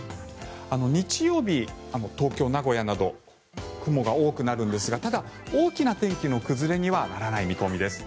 日曜日、東京、名古屋など雲が多くなるんですがただ、大きな天気の崩れにはならない見込みです。